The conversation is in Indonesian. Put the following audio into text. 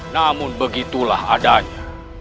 namun begitulah adanya